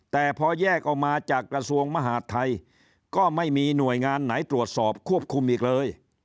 แต่พอแยกออกมาจากกระทรวงมหาดไทยก็ไม่มีหน่วยงานไหนตรวจสอบควบคุมอีกเลย